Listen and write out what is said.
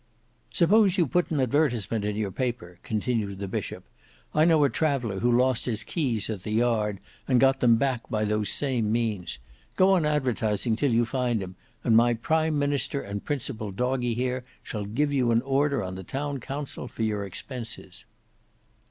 "Suppose you put an advertisement in your paper," continued the Bishop. "I know a traveller who lost his keys at the Yard and got them back again by those same means. Go on advertising till you find him, and my prime minister and principal doggy here shall give you an order on the town council for your expenses."